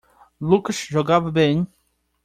Lucas jogava bem.